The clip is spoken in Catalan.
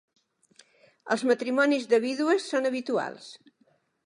Els matrimonis de vídues són habituals.